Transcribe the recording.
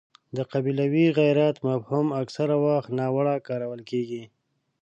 د قبیلوي غیرت مفهوم اکثره وخت ناوړه کارول کېږي.